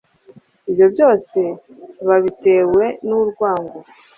ibyo byose babitewe n'urwango